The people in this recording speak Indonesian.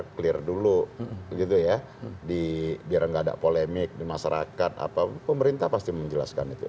clear dulu gitu ya biar nggak ada polemik di masyarakat apa pemerintah pasti menjelaskan itu